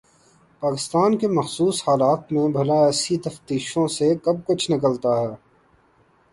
پاکستان کے مخصوص حالات میں بھلا ایسی تفتیشوں سے کب کچھ نکلتا ہے؟